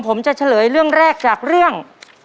ผมจะเฉลยเรื่องแรกจากเรื่อง